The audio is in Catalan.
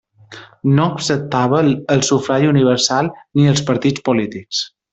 No acceptava el sufragi universal, ni els partits polítics.